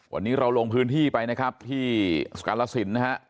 วันนี้เราลงพื้นที่ไปนะครับที่กาลสินนะฮะ